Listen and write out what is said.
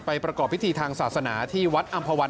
ประกอบพิธีทางศาสนาที่วัดอำภาวัน